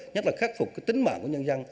nhất là khắc phục tính mạng của nhân dân